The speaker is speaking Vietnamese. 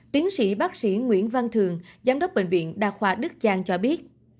tiến sĩ bác sĩ nguyễn văn thường giám đốc bệnh viện đa khoa đức giang cho biết